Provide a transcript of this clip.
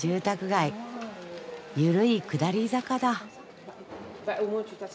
緩い下り坂だ。